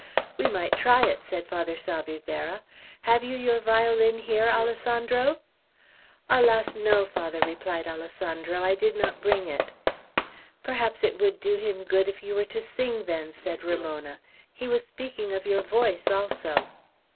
"We might try it," said Father Salvierderra. "Have you your violin here, Alessandro?" "Alas, no, Father," replied Alessandro, "I did not bring it." "Perhaps it would do him good it you were to sing, then," said Ramona. "He was speaking of your voice also."